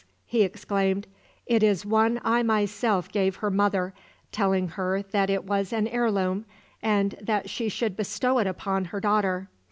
he exclaimed; "it is one I myself gave her mother, telling her that it was an heirloom, and that she should bestow it upon her daughter.